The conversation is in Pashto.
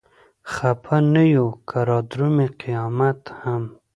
خپه نه يو که رادرومي قيامت هم